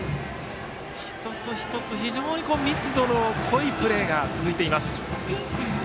１つ１つ、非常に密度の濃いプレーが続いています。